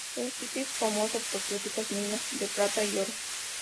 El sitio es famoso por sus ricas minas de plata y oro.